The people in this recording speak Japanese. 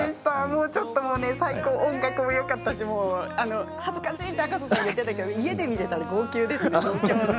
音楽もよかったし恥ずかしいって赤楚さんが言っていたけど家で見ていたら号泣ですね。